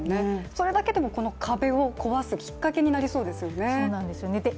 それだけでもこの壁を壊すきっかけになりますもんね。